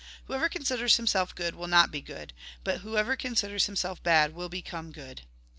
Whoever considers himself good will not be good ; but whoever considers himself bad will be come good."